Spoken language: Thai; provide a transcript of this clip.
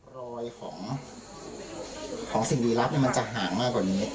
รอยของสิ่งดีลับมันจะห่างมากกว่านี้